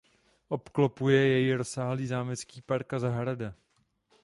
Obklopuje jej rozsáhlý zámecký park a zahrada.